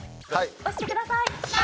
押してください。